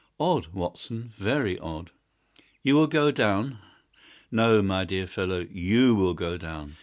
Odd, Watson—very odd!" "You will go down?" "No, my dear fellow, YOU will go down.